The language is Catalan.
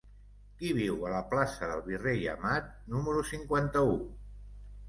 Qui viu a la plaça del Virrei Amat número cinquanta-u?